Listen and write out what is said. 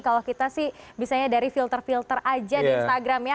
kalau kita sih bisanya dari filter filter aja di instagram ya